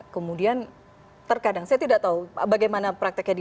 kemudian terkadang saya tidak tahu bagaimana prakteknya di